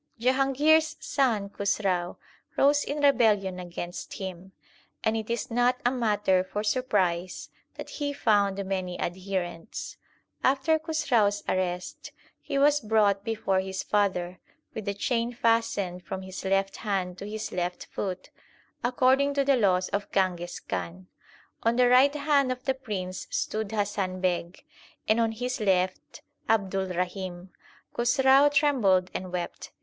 Jahangir s son Khusrau rose in rebellion against him, and it is not a matter for surprise that he found many adherents. * After Khusrau s arrest he was brought before his father, with a chain fastened from his left hand to his left foot, according to the laws of Changhez Khan. On the right hand of the Prince stood Hasan Beg, and on his left, Abdulrahim. Khusrau trembled and wept.